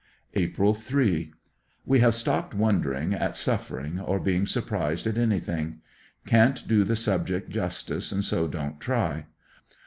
April 3 — We have stopped wondering at suffering or being sur prised at anything. Can't do the subject justice and so don't try.